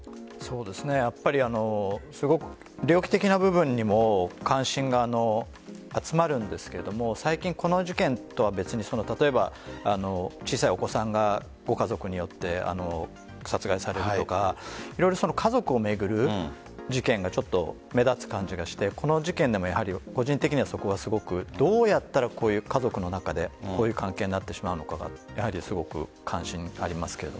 やっぱり猟奇的な部分にも関心が集まるんですけども最近、この事件とは別に例えば小さいお子さんがご家族によって殺害されるとかいろいろ家族を巡る事件がちょっと目立つ感じがしてこの事件でも、やはり個人的にはそこがすごくどうやったらこういう家族の中でこういう関係になってしまうのかすごく関心ありますけど。